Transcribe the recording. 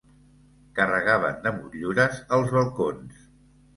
Carregaven de motllures els balcons